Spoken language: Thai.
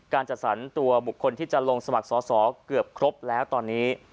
จัดสรรตัวบุคคลที่จะลงสมัครสอสอเกือบครบแล้วตอนนี้